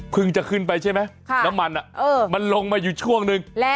จะขึ้นไปใช่ไหมน้ำมันมันลงมาอยู่ช่วงนึง